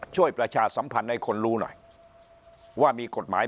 ประชาสัมพันธ์ให้คนรู้หน่อยว่ามีกฎหมาย